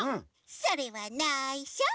それはないしょ。